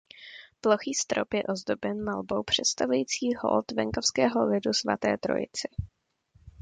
Plochý strop je ozdoben malbou představující hold venkovského lidu svaté Trojici.